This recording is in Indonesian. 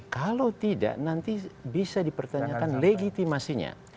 kalau tidak nanti bisa dipertanyakan legitimasinya